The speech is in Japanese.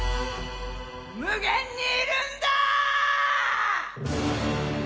無限にいるんだ！